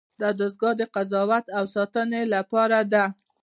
دا دستگاه د قضاوت او ساتنې لپاره ده.